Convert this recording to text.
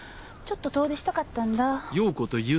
ちょっと遠出したかったんだ。